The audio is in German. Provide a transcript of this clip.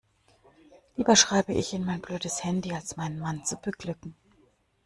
Lieber schreibe ich in mein blödes Handy, als meinen Mann zu beglücken.